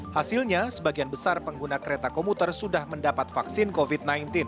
hasilnya sebagian besar pengguna kereta komuter sudah mendapat vaksin covid sembilan belas